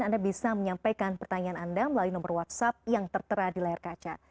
anda bisa menyampaikan pertanyaan anda melalui nomor whatsapp yang tertera di layar kaca